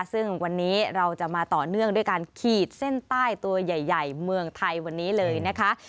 ซึ่งวันนี้เราจะมาต่อเนื่องด้วยการขีดเส้นใต้ตัวใหญ่เมืองไทยวันนี้เลยนะคะ